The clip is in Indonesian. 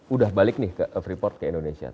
udah balik nih ke freeport ke indonesia